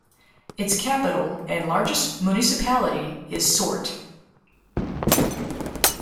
Its capital and largest municipality is Sort.